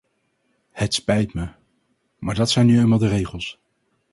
Het spijt me, maar dat zijn nu eenmaal de regels.